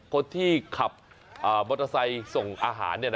คนที่ขับมอเตอร์ไซค์ส่งอาหาร